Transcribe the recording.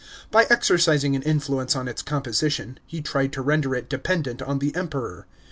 By exercising an influence on its composition, he tried to render it dependent on the Emperor.